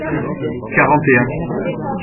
quarante et un.